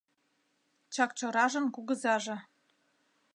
Чакчоражын кугызаже